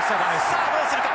さあどうするか。